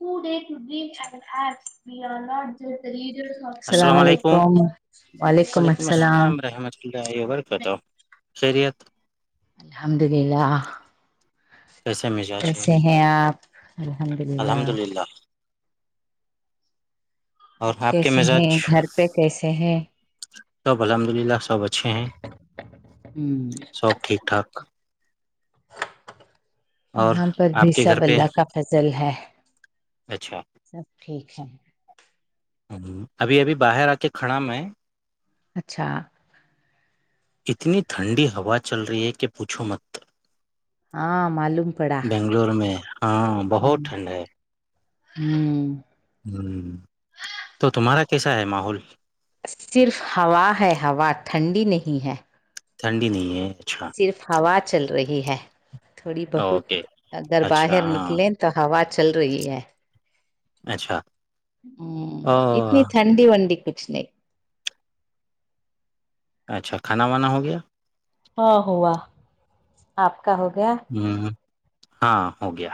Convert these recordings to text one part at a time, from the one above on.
ہ ڈ ٹڈ السلام علیکم وعلیکم السلام کٹا شری الحمد للہ کیسے مزاج ہے کیسے ہیں آپ الحمد للہ الحمد للہ اور اب آپ کے کیسے ہیں مزاج گھر پہ کیسے ہیں سب الحمد للہ سب اچھے ہیں ہوں سب ٹھیک ٹھاک اور یہاں پر بھی آپ کے گھر سب پہ اللہ کا فضل ہے اچھا سب ٹھیک ہے ہ ابھی ابھی باہر آ کے کھڑا میں اچھا اتنی ٹھنڈی ہوا چل رہی ہے کہ پوچھو مت ہاں معلوم پڑا بنگلور میں ہاں بہت ٹھنڈ ہے ہ ہوں ہ تو تمہارا کیسا ہے ماحول صرف ہوا ہے ہوا ٹھنڈی نہیں ہے ٹھنڈی نہیں ہے اچھا صرف ہوا چل رہی ہے تھوڑی بہت اوکے اگر اچھا باہر ہاں نکلیں تو ہوا چل رہی ہے اچھا ہوں او اتنی ٹھنڈی ونڈی کچھ نہیں اچھا کھانا وانا ہو گیا ہاں ہوا آپ کا ہو گیا ہ ہاں ہو گیا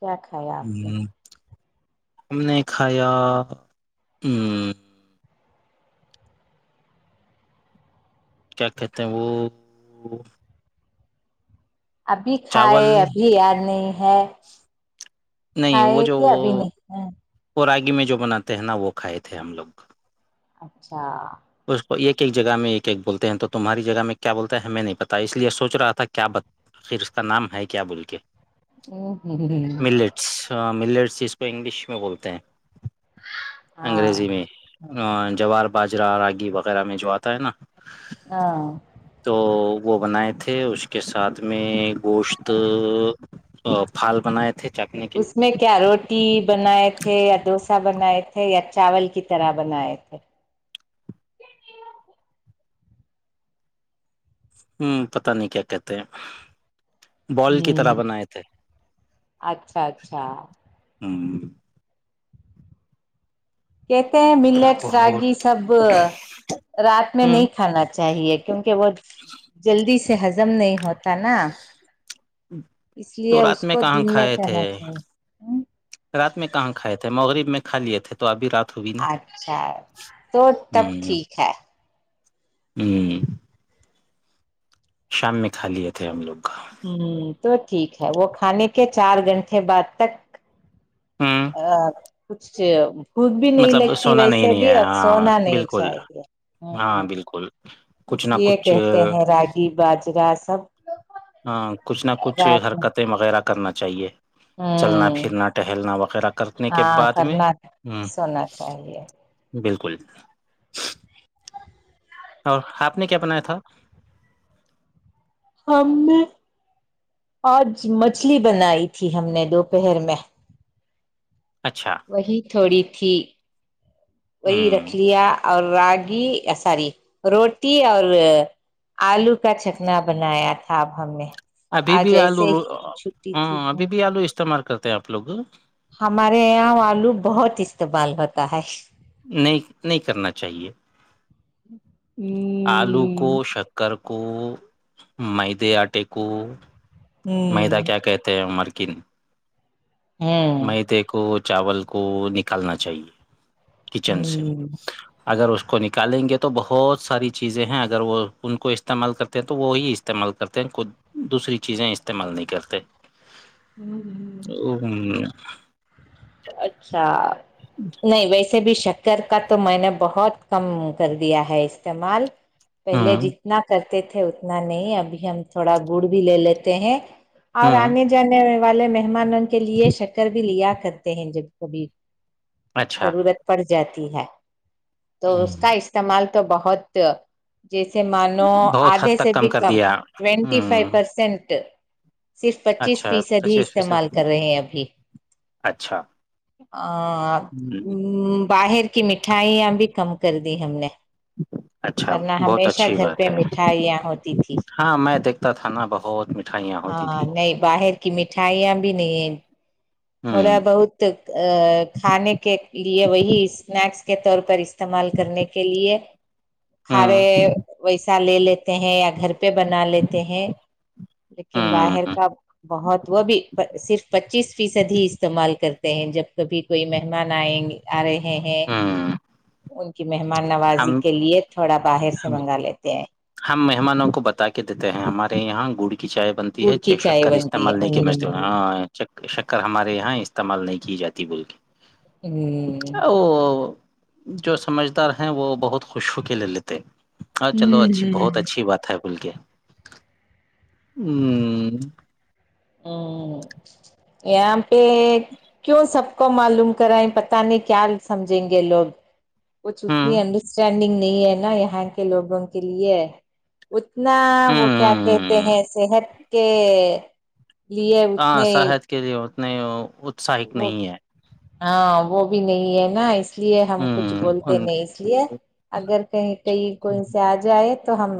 کیاھایا ہ ہم نے کھایا ہ کیا کہتے ہیں وہ ابھی چاول کھائےائے ابھی یاد نہیں ہے نہیں وہ کھائے جو کہ ابھی نہیں ہے وہ راگی میں جو بناتے ہیں نا وہ کھائے تھے ہم لوگ اچھا اس کو ایک ایک جگہ میں ایک ایک بولتے ہیں تو تمہاری جگہ میں کیا بولتا ہے ہمیں نہیں پتا اس لیے سوچ رہا تھا کیا آخر اس کا نام ہے کیا بول کے ا ہوں ہ اچھا ملیٹس جس کو انگلش میں بولتے ہیں ہاں انگریزی میں جوار باجرہ راگی وغیرہ میں جو آتا ہے نا ہاں تو وہ بنائے تھے اس کے ساتھ میں گوشت ا بھال بنائے تھ اس میں کیا روٹی بنائے تھے یا دوس ا بنائے تھے یا چاول کی طرح بنائے تھے ہوں پتاہ نہیں کیا کہتے ہیں بال کی طرح ہ بنائے تھے اچھا اچھا ہ کہتے ہیں ملٹ بہت راگی سب رات میں ہ نہیں کھانا چاہیے کیونکہ وہ جلدی سے ہزم نہیں ہوتا نا اس لیے تو اس رات کو کہاں دن میں کھائے تھے کہنا چاہیے رات میں کہاں کھائے تھے مغرب میں کھا لیے تھے تھے تو ابھی رات ہوگئی نا اچھا تو تب ہ ٹھیک ہے ہوں شام میں کھا لیے تھے ہم لوگ کا ہ تو ٹھیک ہے وہ کھانے کے چار گھنٹے بعد تک ہ ا کچھ بھوک بھی نہیں مطلب لگتی سونا نہیں ویسے نہیں ہے بھی اور ہاں سونا نہیں بالکل چاہیے ہاں ہ بالکل کچھ اس نہ لیے کچھ کہتے راگی باجرا سب ہاں کچھ نہ کچھ رات حرکتیں وغیرہ کرنا چاہیے چلنا ہ پھرنا ٹہلنا وغیرہ کرنے کے ہاں بعد میں کرنا ہ سونا چاہیے بالکل اور آپ نے کیا بنایا تھا ہم نے آج مچھلی بنائی تھی ہم نے دوپہر میں اچھا وہی تھوڑی تھی وہی ہوں رکھ لیا اور رگ ساری روٹی اور آلو کا چکنا بنایا تھا اب ہم نے ابھی بھی آج ایسے آلوو ہی چھٹی تھی ہاں ابھی بھی آلو استعمال کرتے ہیں آپ لوگ ہمارے یہاں آلو بہت استعمال ہوتا ہے نہیں نہیں کرنا چاہیے آلو کو ہوں ش ککر کو مدے آٹے کو میدا ہوں کیا کہتے ہیں مرکن ہوں میں دیک کو چاول کو نکالنا چاہیے کچن سے ہوں ہوں اگر اس کو نکالیں گے تو بہت ساری چیزیں ہیں اگر وہ ان کو استعمال کرتے ہیں تو وہی استعمال کرتے ہیں کو دوسری چیزیں استعمال نہیں کرتے ہوں او اچھا نہیں ویسے بھی شکر کا تو میں نے بہت کم کر دیا ہے استعمال پہلے ہوں جتنا کرتے تھے اتنا نہیں ابھی ہم تھوڑا گڑ بھی لے لیتے ہیں اور ہوں آنے جانے والے مہمان ان کے لیے شکر بھی لیا کرتے ہیں جب کبھی اچھا ضرورت پڑ جاتی ہے تو اس کا ح استعمال تو بہت جیسے مانو بہت حد آدھے سے تک بھی کر کم دیا ٹوینٹی فائیو ہوں پرسینٹ صرف پچیس اچھا فیصد ہی پچیس استعمال فیصد کر رہے ہیں ابھی اچھا ا ہوں، باہر کی مٹھائیاں بھی کم کر دی ہم نے اچھا ورنہ بہت ہمیشہ اچھی گھر بات پہ ہے مٹھائیاں ہوتی تھی ہاں میں دیکھتا تھا نا بہت مٹھائیاں ہوتی ہاں تھی نہیں باہر کی مٹھائیاں بھی نہیں ہے تھوڑا ہوں بہت کھانے کے لیے وہی اسنیکس کے طور پر استعمال کرنے کے لیے ہوں کھارے ویسا لے لیتے ہیں یا گھر پہ بنا لیتے ہیں لیکن باہر ہوں کا بہت وہ بھی صرف پچیس فیصد ہی استعمال کرتے ہیں جب کبھی کوئی مہمان آئیں گے آ رہے ہ ہ ہوں [unintelligible] کہ مہمان نوازی ہم کے لیے تھوڑا باہر سے ہم منگا لیتے ہیں ہم مہمانوں کو بتا کے دیتے ہیں ہمارے یہاں گڑ کی چائے بنتی گڑ ہے چ کی چائے شکر بنتی ہے استعمال نہیں کیا ہاں شکر ہمارے یہاں استعمال نہیں کی جاتی بولک ہ وہ جو سمجھ ہیں وہ بہت خوشو کے لے لیتے ہ چلو اچھی ہوں بہت اچھی بات ہے بل کے ہوں ہوں یہاں پہ کیوں سب کو معلوم کرائیں پتہ نہیں کیا سمجھیں گے لوگ کچھ اتنی ہوں انڈرسٹینڈنگ نہیں ہے نا یہاں کے لوگوں کے لیے اتنا وہ کیا کہتے ہوں ہیں صحت کے لیے ہاں اتنے صحت کے لیے اتنے اتساہت وہ نہیں ہے ہاں وہ بھی نہیں ہے نا اس لیے ہم کچھ ہوں بولتے ان نہیں اس لیے اگر کہیں کہیں کوئی سے آ جائے تو ہم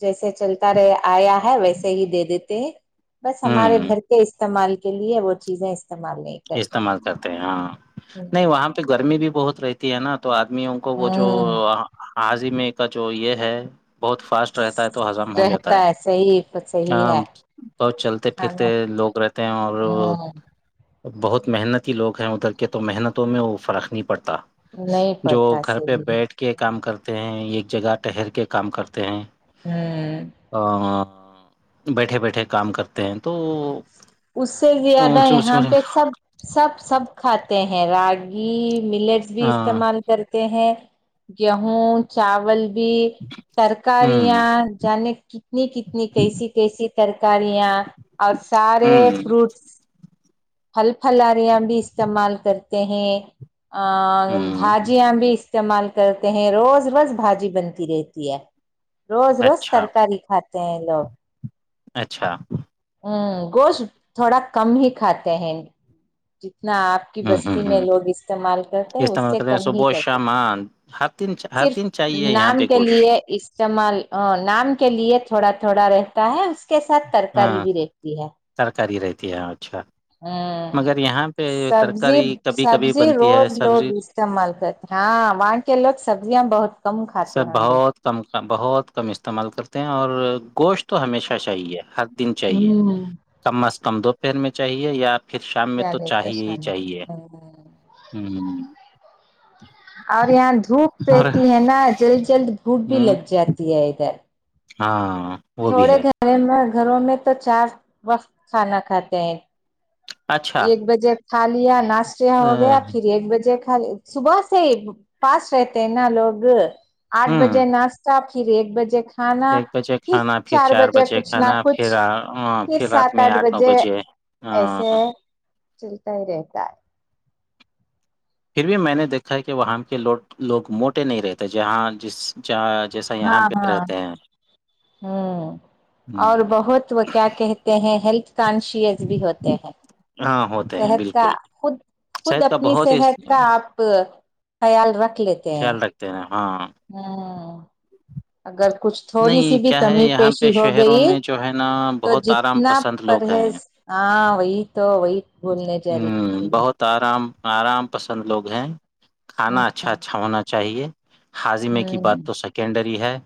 جیسے چلتا رہ آیا ہے ویسے ہی دے دیتے ہیں بس ہمارے ہوں گھر کے استعمال کے لیے وہ چیزیں استعمال نہیں کرتے استعمال کرتے ہیں ہاں نہیں وہاں پہ گرمی بھی بہت رہتی ہے نا تو آدمیوں وہ جو ہوں حاضیم کا جو یہ ہے بہت فاسٹ رہتا ہے تو ہضم ہو رہتا جاتا ہے ہےس ہی ہاں بہت چلتے پھرتے لوگ رہتے ہیں اور ہاں بہت محنتی لوگ ہیں ادھر کے تو محنتوں میں وہ فرق نہیں پڑتا نہیں جو پڑتا گھر پہ صحیح ہے۔ بیٹھ کے کام کرتے ہیں ایک جگہ ٹہر کے کام کرتے ہیں ہوں ا بیٹھے بیٹھے کام کرتے ہیں تو اس سے ہاں زیادہ یہاں پہ سب سب سب کھاتے ہیں راگی ملیٹس بھی استعمال کرتے ہیں گیہوں چاول بھی ترکیاں ہوں جان کتنی کتنی کیسی کیسی ترکاریاں اور سارے ہوں فروٹس پھل پھلاریاں بھی استعمال کرتے ہیں ہوں بھجیاں بھی استعمال کرتے ہیں روز روز بھاجی بنتی رہتی ہے روز روز اچھا ترکاری کھاتی ت لوگ اچھا ہ گوشت تھوڑا کم ہی کھاتے ہیں جتنا آپ آ کی ہوں ہوں بستی میں ہوں لوگ استعمال کرتے ہیں اس استعمال سے کرتے ہیں کم ہی صبح و کرتے شام ہاں ہر دن ہر صرف دن چاہیے یہاں نام پہ کے گوشت لیے اس چمال نام کے لیے تھوڑا تھوڑا رہتا ہے اس کے ساتھ ترکاری ہاں بھی رہتی ہے ترکاری رہتی ہے اچھا ہوں مگر یہاں پہ سبزی ترکاری کبھی کبھی سبزی بنتی روز ہے لوگ سبزی استعمال کرتے ہاں وہاں کے لوگ سبزیاں بہت کم کھاتے سر ہوں گے بہت کم بہت کم استعمال کرتے ہیں اور گوشت تو ہمیشہ چاہیے ہر دن چاہیے ہوں کم از کم دو پہر میں چاہیے یاپ پھر شام میں کیا تو لیتے چاہیے ہی شان چاہیے ہ اور یہاں دھوپ اور رہتی ہے نا جلد جلد دھوپ بھی ہوں لگ جاتی ہے ادھر ہاں وہ بھی تھوڑے ہے گھر میں گھروں میں تو چار وقت کھانا کھاتے ہیں اچھا ایک بجے کھا لیا ناشتے ا، ہو گیا پھر ایک بجے صبح سے پاس رہتے ہیں نا لوگ آٹھ ہوں بجے ناشہ پھر ایک بجے کھانا ایک بجے پھر کھانا چار بجے کچھ نہ کھانا کچھ پھر آ، آ، پھر رات سات میں آٹھ نو بجے ہاں ایسے چیلتا رہتا ہے پھر بھی میں نے دیکھا ہے کہ وہاں کے لو لوگ موٹے نہیں رہتے جہاں جس ج جیسا یہاں ہاں پہ ہاں رہتے ہیں ہوں اور ہوں، بہت وہ کیا کہ ہیں ہیلتھ کانشیس بھی ہوتے ہیں ہاں ہوتے ہیں صحت کا بالکل خود خود صحت کا اپنی بہت ہی صحت کا خیال آپ خیال رکھ لیتے خیال رکھتے ہیں ہاں ہوں اگر کچھ تھوڑی سی نہیں بھی کیا ہے کمی یہاں پہ پیشی ہو شہروں گئی میں جو ہے نا تو بہت آرام جتنا پسند لوگ ہیں پرہیز ہاں وہی تو وہی بولنے جا رہی ہ تھی میں بہت آرام آرام پسند لوگ ہیں کھانا اچھا اچھا ہونا چاہیے ہاضمے کی ہ بات تو سیکینڈری ہے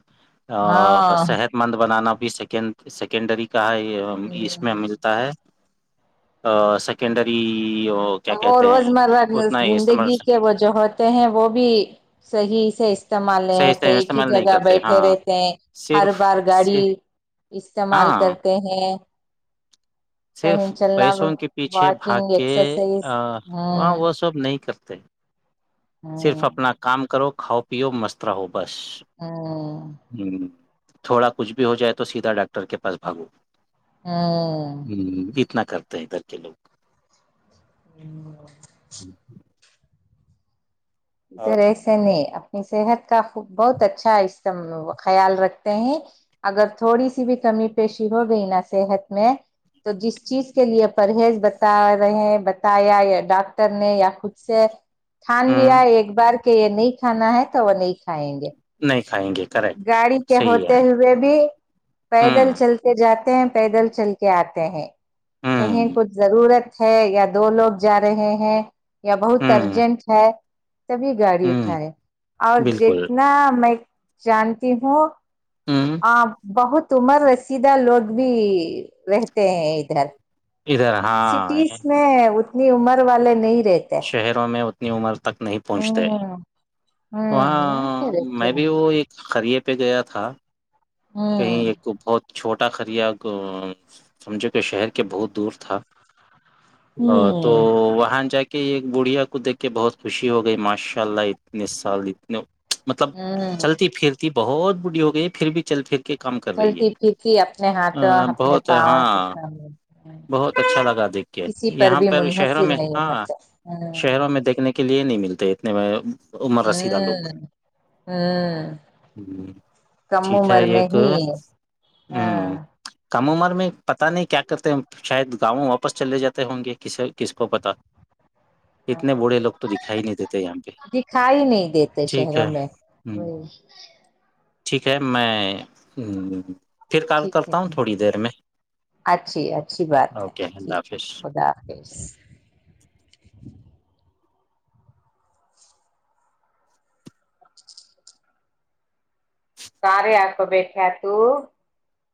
ہاں ہ صحت مند بنانا بھی سیکنڈ سیکنڈری کا ہے اس میں مل ہے سیکنڈری کیا وہ کہتے ہیں روزمرہ اتنا ہی استعمال زندگی کے وہ جو ہوتے ہیں وہ بھی صحیح سے استعمال نہیں صحیح ہوتے سے ایک ہی استعمال نہیں جگہ کرتے بیٹھے ہاں رہتے ہیں ہر صرف بار گاڑی صرف استعمال ہاں کرتے ہیں کہیں صرف چلنا پیسوں کے پیچھے بھاگ واکنگ کے ایکسرسائز وہاں ہوں وہ سب نہیں کرتے صرف ہوں اپنا کام کرو کھاؤ پیو مست رہو بس ہاں ہوں تھوڑا کچھ بھی ہو جائے تو سیدھا ڈاکٹر کے پاس بھاگو ہاں ہ اتنا کرتے ہیں ادھر کے لوگ ادھر ایسے نے اپنی صحت کا خ بہت اچھا اس خیال رکھتے ہیں اگر تھوڑی سی بھی کمی پیشی ہو گئی نا صحت میں تو جس چیز کے لیے پرہیز بتا رہے ہیں بتایا ڈاکٹر نے یا خود سے تھھان ہ دیا ایک ایک بار کہ یہ نہیں کھانا ہے تو وہ نہیں کھائیں گے نہیں کھائیں گے کریکٹ گاڑی کے صحیح ہے ہوتے ہوئے بھی پیدل ہ چلتے جاتے ہیں پیدل چل کے آتے ہیں کہیں ہ کچھ ضرورت ہے یا دو لوگ جا رہے ہیں یا بہت ہ ارجنٹ ہے تبھی گاڑی ہ اٹھائےائے اور بالکل جتنا میں جانتی ہوں ہ بہت عمر رسیدہ لوگ بھی رہتے ہیں ادھر ادھر ہاں سٹیز میں اتنی عمر والے نہیں رہتے شہروں میں اتنی عمر تک نہیں پہنچتے ہوں ہوں یہاں پہ وہاں رہتے میں ہیں بھی وہ ایک خریے پہ گیا تھا کہیں ہوں ایک تو بہت چھوٹا کھرییا سمجھو کہ شہر کے بہت دور تھا ا تو ہوں وہاں جا کے کہ ایک بڑھیا کو دیک کے بہت خوشی ہو گئی ماشاء اللہ اتنے سال مطلب ہوں چلتی پھرتی بہت بوڑھی ہو گئی پھر بھی چل پھر کے کم کر رہی چلتی پھرتی اپنے ہاتھوں ہے اپنے بہت پاؤں سے ہاں کام لیتے ہیں، بہت اچھا لگا دیکھ یک کسی یہاں بھی پر شہروں منحصر میں نہیں ہاں ہوتا ہوں شہروں میں دیکھنے کے لیے نہیں ملتے اتنے میں امر رسی د لوگ ہ کم ٹھیک ہے عمر میں ایک ہی ہ ہاں کم عمر میں پتاہ نہیں کیا کرتے شاید گاؤں واپس چلے جاتے ہوں گے ک کس کو پتا اتنے ہاں بوڑھے لوگ تو دکھائی نہیں دیتے یہاں پہ دکھائی نہیں دیتے ٹھیک شہروں ہے میں ہ وہی ٹھیک ہے میں پھر کال ٹھیک ہے کرتا ہوں تھوڑی دیر میں اچھی اچھی بات ہے اوکے اللہ ٹھیک ہے حافظ خدا حافظ کار آک بیھا تو